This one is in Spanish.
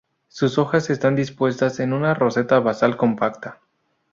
Sus hojas están dispuestas en una roseta basal compacta.